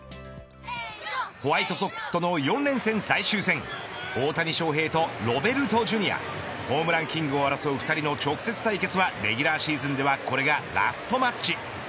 ホワイトソックスとの４連戦最終戦大谷翔平とロベルトＪｒ．のホームランキングを争う２人の直接対決はレギュラーシーズンではこれがラストマッチ。